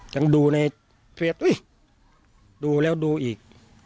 ยังดูในเทียบอุ๊ยดูแล้วดูอีก